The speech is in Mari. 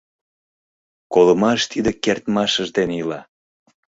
Колымаш тиде кертмашыж дене ила.